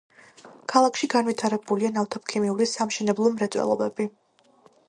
ქალაქში განვითარებულია ნავთობქიმიური, სამშენებლო მრეწველობები.